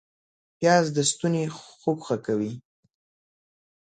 پیاز د ستوني خوږ ښه کوي